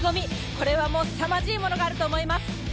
これは、すさまじいものがあると思います。